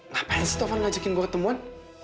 ngapain sih taufan ngajakin gue ketemuan